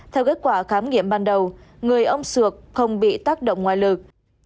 theo kết quả khám nghiệm ban đầu người ông sược không bị tác động ngoại lực